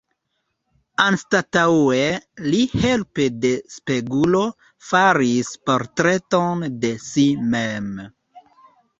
Anstataŭe, li helpe de spegulo faris portreton de si mem.